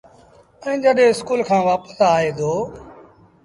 ائيٚݩ جڏهيݩ اسڪُول کآݩ وآپس آئي دو